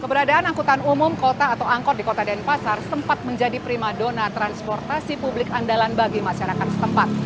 keberadaan angkutan umum kota atau angkot di kota denpasar sempat menjadi prima dona transportasi publik andalan bagi masyarakat setempat